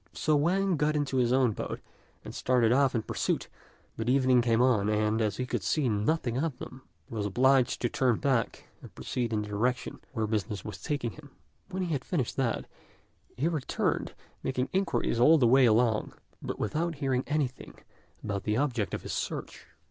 So Wang got into his own boat, and started off in pursuit; but evening came on, and, as he could see nothing of them, he was obliged to turn back and proceed in the direction where business was taking him. When he had finished that, he returned, making inquiries all the way along, but without hearing anything about the object of his search.